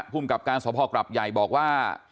พุ่มกับการสภอกรับยายบอกว่า